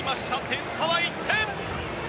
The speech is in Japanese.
点差は１点。